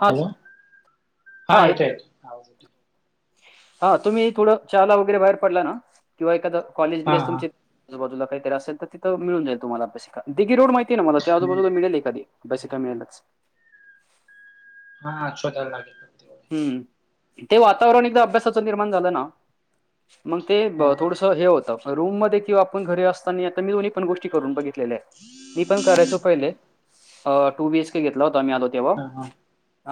हा hello sir हा हां ये येतो येतो आवाज येतो हा तुम्ही थोड चहाला वगैरे बाहेर पडला ना. किंवा एखाद कॉलेज हा बिलेज हा तुमच्या आजूबाजूला काहीतरी असेल तर तिथ मिळून जाईल तुम्हाला अभ्यासिका दिगी रोड माहित तेना मला ते हम्म. आजूबाजूला मिळेल एखादी अभ्यासिका मिळेलच. हां शोधायला लागेल. फक्त एवढे. हम्म ते वातावरण एकदा अभ्यासाच निर्माण झाल ना मग ते हा ब हा थोडस हे होत रूम मध्ये किंवा आपुण घरी असतानी आता मी दोन्ही पण गोष्टी करून बघितल्या. केलेल्या. मी पण करायचो पहिले अ टू बीएचके घेतला होता आम्ही आलो तेव्हा हा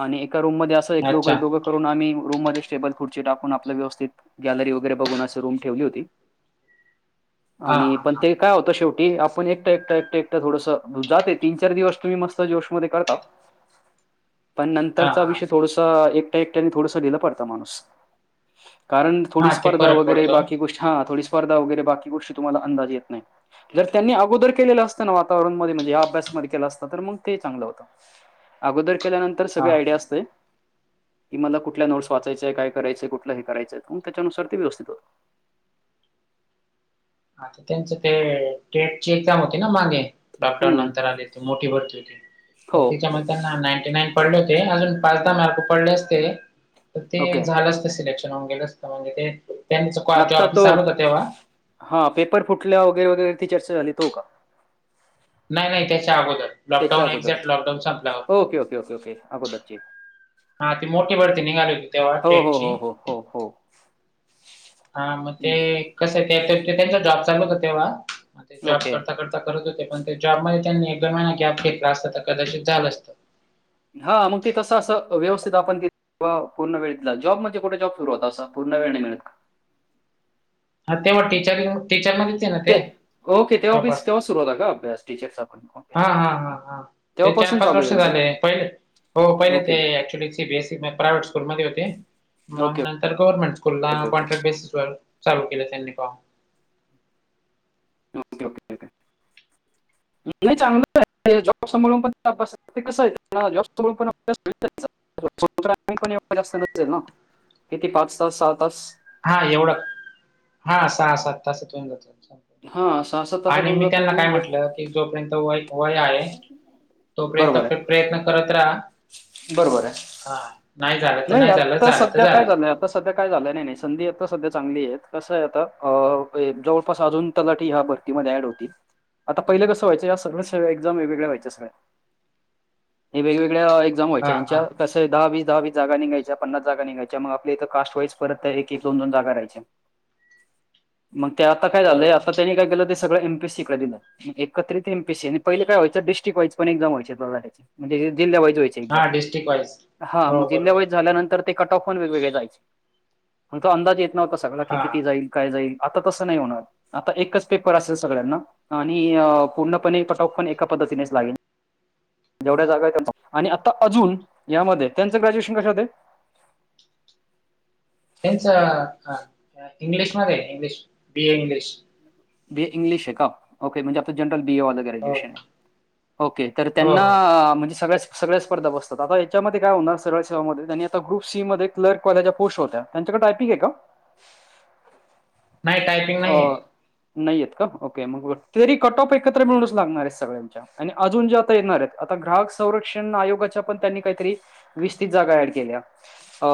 आणि एका रूम मध्ये अस हा एक दोघ अच्छा एक दोघ करून आम्ही रूम मध्ये टेबल खुर्ची टाकून आपल व्यवस्थित गॅलरी वगैरे बघून अस रूम ठेवली होती. [inaudible] आणि हा पण हा ते काय होत शेवटी आपण एकट एकट एकट एकट थोडस जाते तीन चार दिवस तुम्ही मस्त जोशमध्ये करताव. [inaudible] पण हा नंतरचा विषय हा थोडुसा एकट्या एकट्याने थोडस ढील्ल पडत माणूस. कारण थोडी हा ते स्पर्धा फरक वगैरे पडतो बाकी गोष्टी हां थोडी स्पर्धा वगैरे बाकी गोष्टी तुम्हाला अंदाज येत नाही. जर त्यांनी अगोदर केलेल असत ना वातावरणमध्ये म्हणजे या अभ्यासमध्ये केल असत तर मग ते चांगल होत. अगोदर केल्यानंतर हा सगळी आयडिया हा असते. की मला कुठल्या नोट्स वाचायच्या आहे काय करायचय कुठल हे करायचय मग त्याच्यानुसार ते व्यवस्थित होत. आता त्यांच ते टेटची एक्झाम होती ना मागे लॉकडाऊन हं. नंतर आली. ती मोठी भरती होती तर हो. त्याच्यामध्ये. त्यांना नाईंटी नाईन पडले होते अजून पाच दहा मार्क पडले असते तर ते ओके. झाल असत सिलेक्शन. राहून गेल म्हणजे ते त्यांच कॉ जॉब बी चालू होता तेव्हा. हा पेपर फुटल्या वगैरे वगैरे ती चर्चा झाली तो का? नाही नाही त्याच्या अगोदर. त्याच्या लॉकडाऊन अगोदर एक्झॅक्ट लॉकडाऊन संपल्यावर ओके ओके ओके ओके अगोदरची. हा ती मोठी भरती निघाली होती तेव्हा हो, टेटची. हो हो हो हो. हा मग ते हं, कसय ते त्यांचा त्यांचा जॉब चालू होता तेव्हा मग ते जॉब ओके. करता करता करत होते पण त्या जॉबमध्ये त्यांनी एक दोन महिने गॅप घेतला असता तर कदाचित झाल असत. हा मग ते तस अस व्यवस्थित आपण पूर्ण वळेतला जॉब म्हणजे कठे जॉब सुरू होता अस पूर्ण वेळ नाही मिळत. हां तेव्हा टीचर टीचरमध्येचय ना ते ओके तेव्हा ऑफिस तेव्हापास तेव्हा सुरू होता का अभ्यास टीचरचा पण. हां हां हां ते चार तेव्हापासून पाच चालू आहे वर्ष यांचं? झाले पहिले हो पहिले ओके, ते ऍक्च्युली सीबीएसई प्रायव्हेट स्कूलमध्ये होते मग ओके, नंतर गव्हर्मेंट स्कूलला ओके, ओके. कॉन्ट्रॅक्ट बेसिस वर. चालू केल त्यांनी काम. Okay, okay, okay. [inaudible] नाही चांगलंच आहे. जॉब समोरून पण [unintelligible] कस आहे जॉब समोर पण [unintelligible] [unintelligible] पण एवढं जास्त जास्त नसेल ना किती पाच-सहा सहा तास. हां एवढं हां सहा सात तासात होऊन जातं. हां सहा सात तासात आणि होऊन मी जातो त्यांना काय तुम्ही घर म्हटलं की जोपर्यंत वय वय आहे तोपर्यंत बरोबर आहे प्रयत्न करत राहा. बरोबर आहे. हां नाही झालं तर नाही झालं, आता झालं तर सध्या काय झालं. झालंय आता सध्या काय झालंय, नाही नाही संधी आता सध्या चांगली आहे कसं आहे आता अ जवळपास अजून तलाठी ह्या भर ती मध्ये ॲड होतील आता पहिले कसे व्हायचं या सरळ सेवा एक्झाम वेगवेगळ्या व्हायच्या सगळ्या. हे वेगवेगळ्या एक्झाम हां, व्हायच्या हां, यांच्या कस दहा वीस दहा वीस जागा निघायच्या पन्नास जागा निघायच्या मग आपल्या इथं कास्ट वाईज परत एक एक दोन दोन जागा राहायच्या. [inaudible] मग ते आता काय झालंय बरोबर. आता त्यांनी काय केलं ते सगळ एम पी एस सी कड दिल, एकत्रित एम पी एस सी नी पहिले काय व्हायचं डिस्ट्रिक्ट वाईज पण एक्झाम व्हायची तलाठी चे. म्हणजे हे जिल्हे वाईज व्हायचे एक्झाम हां, डिस्ट्रिक्ट वाईज. हां हो, मग जिल्हा बरोबर. वाईज झाल्यानंतर ते कट ऑफ पण वेगवेगळे जायचे मग तो अंदाज येत नव्हता सगळा कि हां, किती जाईल. काय जाईल आता तसं नाही होणार आता एकच पेपर असेल सगळ्यांना. आणि पूर्णपणे कट ऑफ पण एका पद्धतीनेच लागेल. जेवढ्या जागा आहेत त्या कन्फर्म, आणि यामध्ये त्यांचं हां. ग्रॅज्युएशन कशात आहे? त्यांच इंग्लिश मध्ये आहे English B A English. B A English आहे का ओके म्हणजे आता जनरल बी ए वाले. हो, हो, ग्रॅज्युएशन आहे ओके तर हो, त्यांना हो, हो. म्हणजे सगळ्याच सगळ्या स्पर्धा बसतात आता याच्यामध्ये काय होणार सरळ सेवामध्ये त्यांनी आता ग्रुप सी मध्ये क्लर्क वाल्याच्या पोस्ट होत्या त्यांच्याकडे टायपिंग आहे का? [inaudible] [inaudible] नाही टायपिंग नाहीये. नाहीे आहेत का ओके मग तरी कट ऑफ एकत्र मिळूनच लागणार आहेत सगळ्यांच्या. आणि अजून जे आता येणार आहेत आता ग्राहक संरक्षण आयोगाच्या पण त्यांनी काहीतरी वीस तीस जागा ॲड केल्या अ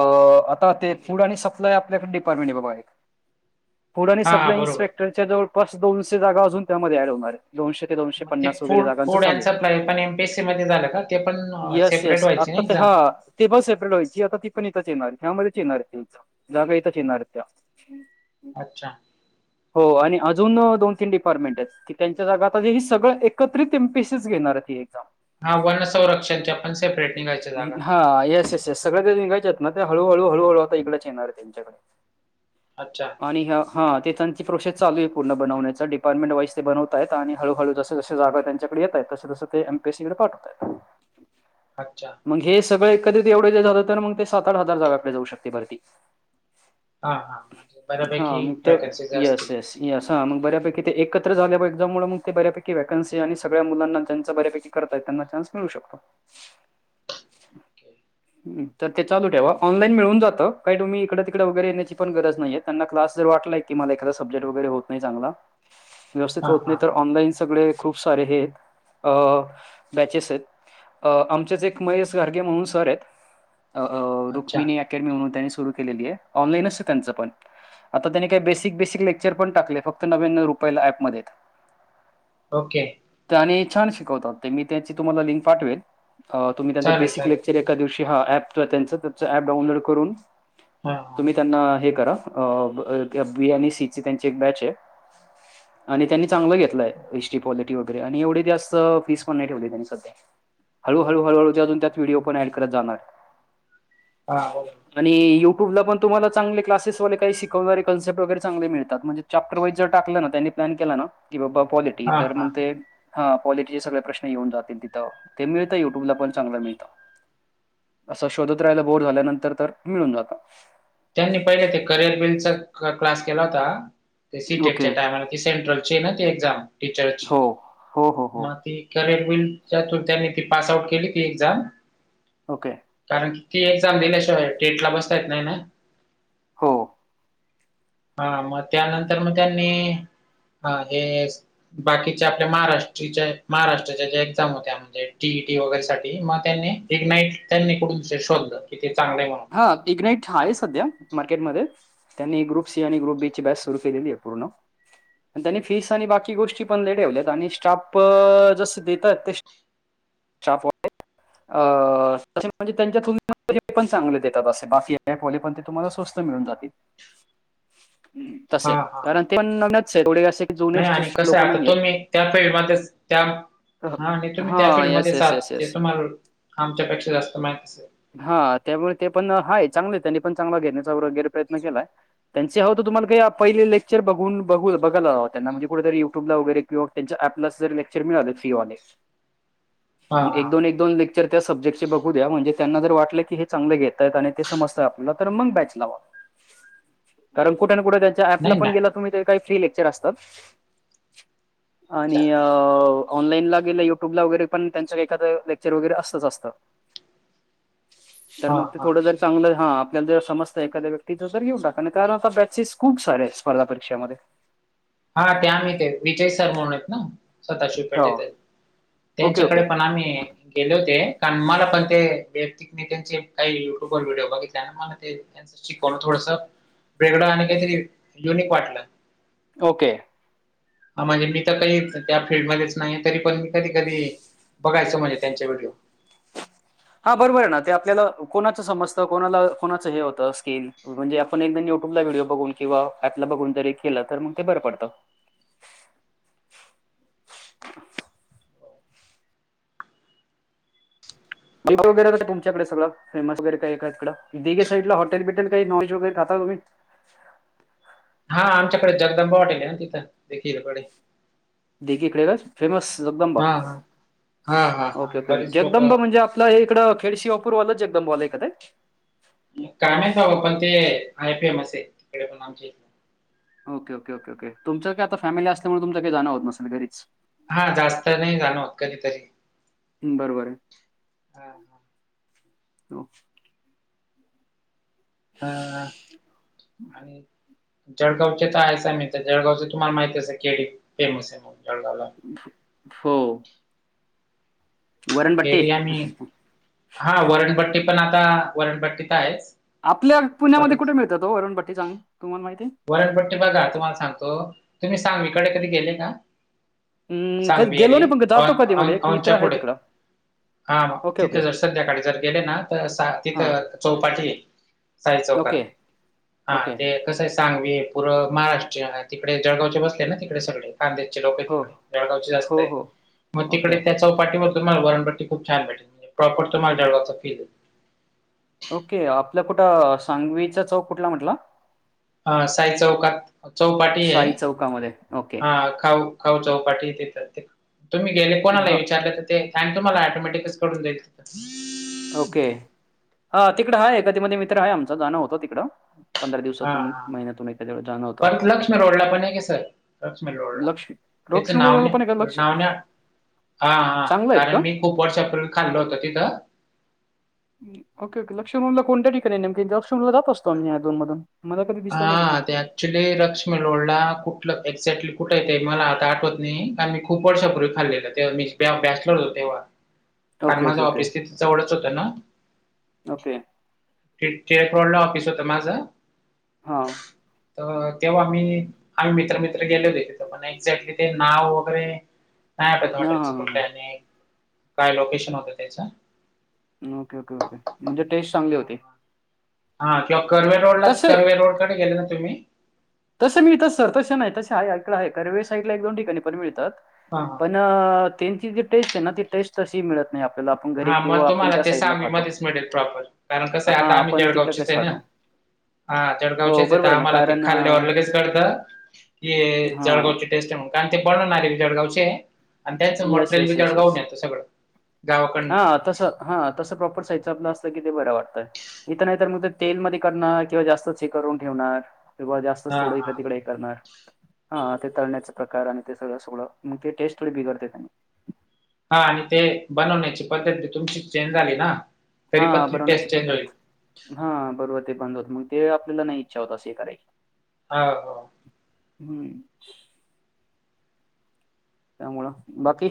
आता ते फूड आणि सप्लाय आपल्याकडे डिपार्टमेंट आहे बघा एक [inaudible] फूड आणि हां, सप्लाय बरोबर. इन्स्पेक्टरच्या जवळपास दोनशे जागा अजून त्यामध्ये ॲड होणार आहेत. दोनशे ते दोनशे मग ते पन्नास वगैरे फूड जागांच फूड चालू अँड आहे. सप्लाय पण एम-पी-एस-सीमध्ये झालं का? ते पण अ, येस सेपरेट येस व्हायची ना आता ते एक्झाम? हां ते पण सेपरेट व्हायची आता ती पण इथेच येणार, ह्यामध्येच येणार आहेत ती जागा इथंच येणार त्या. अच्छा! हो आणि अजून दोन-तीन डिपार्टमेंट आहेत. की त्यांच्या जागा आता ही सगळं एकत्रित एम पी एस सी च घेणार ती एक्झाम. हां वन संरक्षणच्या पण सेप्रेट निघायच्या जागा. हां येस येस. येस सगळ ते निघायच्या आहेत ना ते हळूहळू हळूहळू आता इकडच येणार आहे त्यांच्याकडे. अच्छा! आणि ह्या हां ते त्यांची प्रोसेस चालू आहे. पूर्ण बवण्याचा डिपार्टमेंट वाईज ते बनवता आहेत आणि हळूहळू ज जागा त्यांच्याडे येत आहेत तसं तसं ते एम पी सी जेड पाठव अच्छा. मग हे सगळं एकत्रित एवढे जे झालं तर मग ते सात आठ हजार जागाकडे जाऊ शकते भरती. हा हा म्हणजे बऱ्यापैकी वॅकन्सीस असतील. नी असा मग बऱ्यापैकी ते एकत्र झाल्या एक्झाममुळे मग ते बऱ्यापैकी वॅकन्सी आणि सगळ्या मुलांना त्यांच्या बऱ्यापैकी करताय त्यांना चान्स मिळू शकतो. [inaudible] ओके. [unintelligible] हम्म तर ते लू ठेवा ऑनलाईन मिळून जातं काही तुम्ही इकडं तिकडे वगैरे येण्याची पण गरज नाहीय. त्यांना क्लास जर वाटलाय की मला एखादा सबजेक् ट वगैरे होत नाही चांगला व्यवस्थित हा होत नाही हा तर ऑनलाईन सगळे खूप सारे हे अ बॅचेस आहेत. अ आमचेच एक महेश घारगे म्हणून सर आहेत अ अ अच्छा रुक्मिणी ऍकॅडमी म्हणून त्याने सुरू केलेली आहे ऑनलाईनच आहे त्यांचा पण आता त्याने काय बेसिक बेसिक लेक चर पण टकले फक्त नव्याण्णव रुपयाला ऐप मध्येत. ओके. त्या आणि छान शिकवतात ते मी त्याची तुम्हाला लिंक पाठवेल अ तुम्ही त्यांच चालेल बेसिक चालेल लेक्चर एका दिवशी हा ऍप त्यांच त्याचा डाउनलोड करून हां. तुम्ही त्यांना हे करा अ ब अ ते बी आणि सी ची त्यांची एक बॅच आहे आणि त्यांनी चांगलं घेतलंय एस टी पॉलिटी वगैरे आणि एवढी जास्त फीस पण नाही ठेवली त्यांनी स ह हळूहळू हळूहळू अजून त्यात व्हिडिओ पण ऍड करत जाणार. आ हो. आणि युट्यूबला पण तुम्हाला चांगले क्लासेसवाले काही शिकवणारे कन्सेप्ट वगैरे चांगले मिळ तात म्हणजे चॅप्टर वाईज जर टाकलं ना त्यांनी प्लॅन केला ना की बा पॉलिटी हा तर हा मंग ते हा पॉलिटीचे सगळे प्रश्न येऊन जातील तिथं ते मिळतं युट्यूबला पण चांगलं मिळतं. असं शोधत राहायला बोर झाल्यानंतर तर मिळून जातं. त्यांनी पहिले ते करिअर बिल चा का क्लास केला होता ते सी टेक ओके च्या टाइमाला ते सेंट्रल ची आहे ना ती एक्झाम टीचरची हो हो हो हो म ती करिअर बिल च्या त्यातून त्यांनी ती पास आउट केली ती एक्झाम. ओके. कारण की ती एक्झाम दिल्याशिवाय टेंट ला बसता येत नाय ना. हो. हा मग त्यानंतर मग त्यांनी हा हेस बाकीच्या आपल्या महाराष्टीच्या महाराष्ट्राच्या ज्या एक्झाम होत्या म्हणजे टी ई टी वगैरे साठी म त्यांनी इगनाईट त्यांनी कडूनचे शोधलं की ते चांगलं आहे म्हणून. हा इग नाइट आहे सध्या मार्केटमध्ये. त्यांनी ग्रुप सी आणि ग्रुप बी ची बॅच सुरु केलेली आहे पूर्ण. आणि त्यांनी फीस आणि बाकी गोष्टी पण ले ठेवल्यात आणि स्टाफ जसं देतात ते [unintelligible] [unintelligible] चांगले देतात असे बाकी ऐप वाले पण ते तुम्हाला स्वस्त मिळून जातील. तसे कारण ते पण नवीनच आहे थोडे अशे नाहीं आणि कसं आहे आंता तो मी त्यांपळी मं त्यां हां आणि तुम्हीं हा त्यां फील्ड येस मध्येचं येस आहांत येस येस ते तुम्हांला आमच्यांपेक्षा जास्तं माहीती असेल हां त्यामुळें ते पणं हांय चांगले त्यांनी पणं चांगला घेण्यांचा वगैरें प्रयत्नं केलांय त्यांचे अहो तरं तुम्हांला कांहीं पहिले लेक्चर बघूंन ब बघां त्यांना म्हणे कुठेतरी युट्यूब लां वगैरें किंवा त्यांच्या ऍपला जे लेक्चर्स मिळालं फीवाले [unintelligible] मगं एक हा दोन एक दोन लेक्चर त्यां सब्जेक्टचे बघूं द्या म्हणजे त्यांना जरं वाटलं की हे चांगला घेतायेतं आणि ते समजतं आपणं तरं मगं बॅच लावां कारणं कुठे कुठे त्यां ऍपला नाही ना पणं गेलां तुम्हीं कांहीं फ्री लेक्चर्स असतं अच्छा आणि ऑनलाईनलां गेलं युट्यूंब लां वगैरें पणं त्यांचं एखादं लेक्चर वगैरें असतंच असतं तरं हा मगं ते हा थोडं जरी चांगलं हा आपल्याला ज समस्त एखांद्या्यक्तीचं तरं घेऊन टाकां कारणं आंता बॅचेस खूंप सारे स्पर्धा परीक्षांमध्ये हां त्यां आम ते विजय सरं म्हणूंन आहेतं नां स्वंतः हो शिपेटेत ओके ओके त्यांच्याकडे पणं गेले होते कां मलां पणं ते व त्यांचे कांहीं युट्यूंबर व्हिडिओ बघितल्या मलां त्यांच शिकवणं थोडसं वेगळं आणि कांहीं तरी युनिक वाटलं ओके हां म्हणजे मी तरं नाहींये त्यां फील्ड मध्येचं नाही तरी पणं मी कधीं कधीं बघायचं म्हणजे त्यांचे व्हिडिओ हां बरोबर आहे नां ते आपल्यांला कोणाचं समजतं कोणांला कोणाचं हे होतं स्किन म्हणजे आपणं एकदां युट्यूंबला व्हिडिओ बघूंन किंवा आपला बघूंन जरी केलं तरं मगं ते बरं पडतं वंट वगैरें कां तुच्याकडे सगं फेमस वगैरें कां इकडेगेईला हॉटेल बिटलं कांहीं नं वगैरें खांतात तुम्हीं हां आमच्याकडे जगदंबा हॉटेल आहे नां तिथं देखीलकडे देखीकडे कां फेमस जगदंबा हा हा हा हा हा ओके ओके बरेच लोक जगदंबा म्हणजे आपलं हे इकडं खेडसिवापूरवालंच एकदंम वालां क ते मगं कायंम आहे बाबां पणं ते आयफी एमस आहे तिकडे पणं आमचे ओके ओके ओेओके तुमच्या कां आंता फॅमिली असल्यांमुळे तुमचं कांहीं जाणं होतं नसेल घरीचं हां जास्तं नाहीं जाणंवतं कधींतरी बरोबर आहे. हां हो हां आणि जळगांवचे तरं आहे मी तरं जळगांवचे तुम्हांला माहित असं केरी फेमस आहे मगं जळगांवला हो वरणबट्टी. केडयां हां वरणंपट्टी पणं आंता वरणंपट्टी तरं आहेचं आपल्या पुण्यांमध्ये कुठे मिळतांत तं अरुंण भट्टी सांग तुम्हांला माहिती आहे. वरणंपट्टी बघां तुम्हांला सांगतो तुम्हीं सांग इकडे कधीं गेले कां अं, कधी गेलो सांगवीरे नाही पण जातो अं कधीमध्ये. एक मित्र नच्यां आहे पुढे तिकडं. हां मगं ओके, तिथं ओके. जरं संध्याकाळी जरं गेले नां तरं हां. तिथं चौपाटी साई चौकांत ओके, हां ओके. ते कसं आहे सांगवे पुरं महाराष्ट्र तिकडे जळगांवचे बसले नां तिकडे सगळें कांद्याचे लोकं आहे हो, तिकडे जळगांवचे हो, जास्तं आहे हो. मगं ओके, तिकडे त्यां चौपाठीवर तुम्हांला वरणंपट्ट खूंप छांन भेण प्रॉपर तुमाला जळगांवचा फील ओके आपलं कुठं सांगवीचा चौक कुठलां म्हंटला हां साई चौकांत चौपाटी आहे साई चौकामध्ये. ओके. हां खाऊं हो. चौपाटीत येतात ते. तुम्ही गेले कोणाला हां, विचारले ते. टाइम तुम्हाला ऑटोमॅटिकच कळून जाईल तिथ. ओके. हा. तिकडं आहे कधी मधे मित्र आहे आमचा. जाणं होतं तिकडं. हा. दिवसातून, हा. हा. महिन्यातून एखाद्या वेळेस जाणं होतं. परत लक्ष्मी रोडला पण आहे क सर लक्ष्मी रोडला. लक्ष्मी त्याच नाव दक्षिणमूळला नाही, पण आहे का लक्ष नाव नाही. हा. हा. हा चांगलं आहेत का कारण मी- खूप वर्षापूर्वी खाल्लं होत तिथं. Okay okay. लक्षुमणला कोण्यत्या ठिकाणी? नेमकी लक्षुमणला जात असतो आम्ही या अधून मधून. मला कधी दिसला नाही तिकडे हा. त्या- ॲक्चुली लक्ष्मी रोडला कुठलं एक्झॅक्टली कुठं ये, ते मला आता आठवत नाही. कारण मी खूप वर्षापूर्वी खाल्लेलंय. [unintelligible] मी बॅचलर होतो तेव्हा. कारण ओके माझ ओके ओके ऑफिस तिथ जवळच होतं ना. ओके [unintelligible] रोड ला ऑफिस होतं माझ. हा. त तेव्हा मी - आम्ही मित्र मित्र गेलेलोय तिथं. पण एक्झॅक्टली ते नाव वगैरे- नाही आठवत हां हॉटेलचं हां कुठल्या आणि काय लोकेशन होतं त्याच. ओके. ओके. ओके. म्हणजे टेस्ट चांगली होती. हां. किंवा कर्वे रोड ला तसे कर्वे रोडकडे गेले ना तुम्ही? तसं मिळतात सर. तसें नाही तसे आहे ऐकलं आहे. कर्वे साईडला एक दोन ठिकाणी पण मिळतात. हा. हां. पण त्यांची जी टेस्ट आहे ना? ती टेस्ट तशी मिळत नाही आप - हां. म तुम्हाला ते सांगवी मध्येच मिळेल प्रॉपर. कारण कसं आहे हां आता आम्ही आपण तिकडे जळगावचेच कसं ए ना? खातो हा. हो जळगावचेच ए तर बरोबर आहे ना आम्हाला ते कारण खाल्ल्यावर लगेच- त कळत हां जळगावची टेस्ट आहे म्हणून. कारण ते बनवणारे जळगावचेए. आणि त्याचं yes material yes B yes yes जळगावहून येतं सगळं. गावाकडनं हा तस. हा तस प्रॉपर साईजच आपलं असल कि ते बरं वाटत. इथ नाही तर मग तेलमध्ये करणार किंवा जास्त च हे करून ठेवणार. की बुवा जास्तच हां, सोड का हां. तिकडे हे करणार. हा. ते तळण्याच प्रकार आणि ते सगळं [unintelligible] ते टेस्टच बिघडते त्यानी. हा आणि ते बनवण्याची पद्धत बी तुमची चेंज झाली ना? तरी पण हा ती टेस्ट बनवण्याची चेंज होईल. पद्धत हा. बरोबर ते बंद होत. मग ते आपल्याला नाही इच्छा होत अस हे करायची. हां. हम्म. त्यामुळं. बाकी.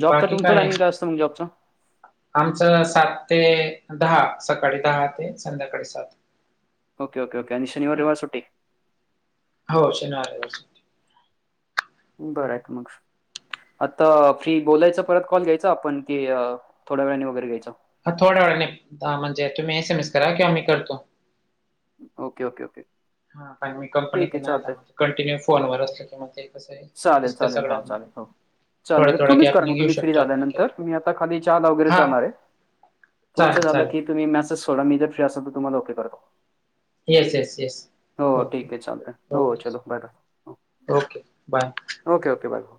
जॉबचा तुमच टायमिंग काय असत मग जॉबच? आमचं सात ते दहा. सकाळी दहा ते संध्याकाळी सात. Okay okay okay. आणि शनिवार, रविवार सुट्टी? हो. शनिवार, रविवार सुट्टी. बरंय की मग. आत्ता फ्री, बोलायचं परत कॉल घ्यायचा आपण? कि थोड्या वेळाने वगैरे घ्यायचा? हा. थोड्या वेळाने. दहा म्हणजे एस एम एस करा किंवा मी करतो. ओके. ओके. ओके. हा. पण मी कंपनीत ठीक ए आहे ना चालतंय. आता? म कंटिन्यू फोनवरच असल की मग ते. कसं आहे चालेल. दिसतं चालेल. हा. सगळ्यांना. चालेल हो. थोडा, चालेल. तर थोडा तुम्हीच करा ना. गॅपने घेऊ तुम्हीच फ्री शकतो आपण एक-एक. झाल्यानंतर. मी आता खाली चहाला वगैरे हां, जाणारे. चालेल, तुमचं झालं चालेल. की तुम्ही मेसेज सोडा. मी जर फ्री असेल तर तुम्हाला ओके करतो. Yes, yes, yes. हो ठीके चालेल. हो ओके, चलो bye bye. Okay bye. Okay okay bye म.